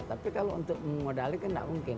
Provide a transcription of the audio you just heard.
tapi kalau untuk mengodali kan tidak mungkin